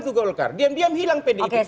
tugolkar diam diam hilang pdip